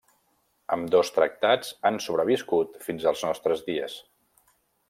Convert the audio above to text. Ambdós tractats han sobreviscut fins als nostres dies.